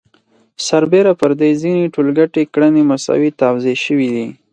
سربېره پر دې ځینې ټولګټې کړنې مساوي توزیع شوي دي